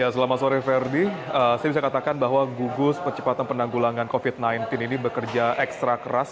selamat sore ferdi saya bisa katakan bahwa gugus percepatan penanggulangan covid sembilan belas ini bekerja ekstra keras